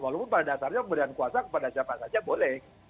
walaupun pada dasarnya pemberian kuasa kepada siapa saja boleh